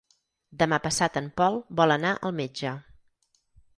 Demà passat en Pol vol anar al metge.